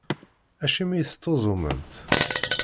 Acimi i tettuẓumemt?